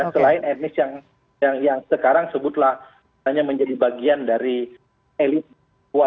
selain etnis yang sekarang sebutlah hanya menjadi bagian dari elit